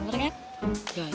yang baik kan